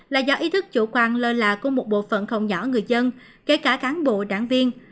là do ý thức chủ quan lơ là của một bộ phận không nhỏ người dân kể cả cán bộ đảng viên